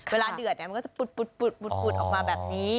เดือดมันก็จะปุดออกมาแบบนี้